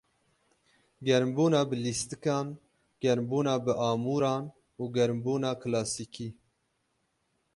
Germbûna bi lîstikan, germbûna bi amûran û germbûna kilasîkî.